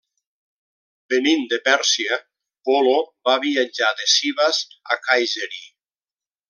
Venint de Pèrsia, Polo va viatjar de Sivas a Kayseri.